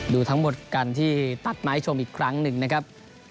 ดูทั้งหมดกันที่ตัดไม้ชมอีกครั้งหนึ่งนะครับ